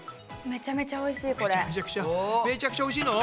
めちゃくちゃおいしいの？